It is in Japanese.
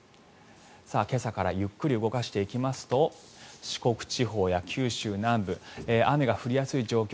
今朝からゆっくり動かしていきますと四国地方や九州南部雨が降りやすい状況